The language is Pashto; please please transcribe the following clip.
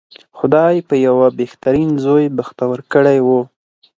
خدای په یوه بهترین زوی بختور کړی و.